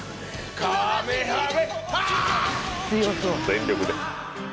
全力で。